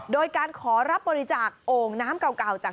โดยการขอรับบริจาคโอ่งน้ำเก่าจาก